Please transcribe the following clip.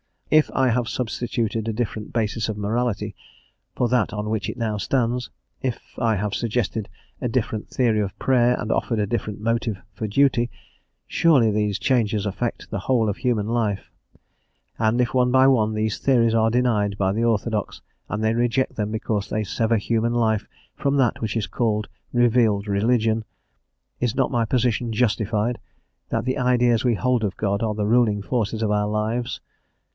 If I have substituted a different basis of morality for that on which it now stands, if I have suggested a different theory of prayer, and offered a different motive for duty, surely these changes affect the whole of human life And if one by one these theories ate denied by the orthodox, and they reject them because they sever human life from that which is called revealed religion, is not my position justified, that the ideas we hold of God are the ruling forces of our lives?